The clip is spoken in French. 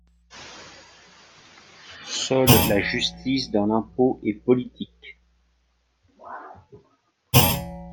Seule, la justice dans l’impôt est politique.